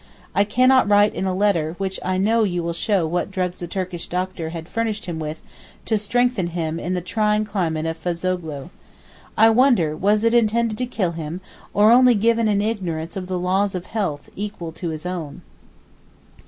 I cannot write in a letter which I know you will show what drugs a Turkish doctor had furnished him with to 'strengthen' him in the trying climate of Fazoghlou. I wonder was it intended to kill him or only given in ignorance of the laws of health equal to his own?